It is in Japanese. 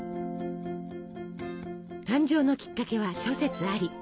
誕生のきっかけは諸説あり。